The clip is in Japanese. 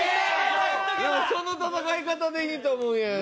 その戦い方でいいと思うんやけどな。